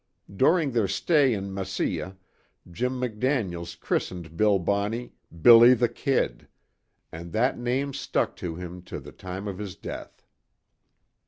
During their stay in Mesilla, Jim McDaniels christened Billy Bonney, "Billy the Kid," and that name stuck to him to the time of his death.